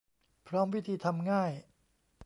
พร้อมวิธีทำง่าย